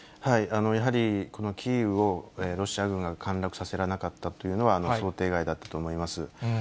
やはりキーウをロシア軍が陥落させられなかったというのは、想定外だったと思います。